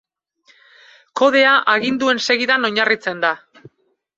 Kodea aginduen segidan oinarritzen da.